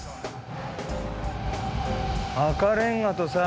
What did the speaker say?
赤レンガとさ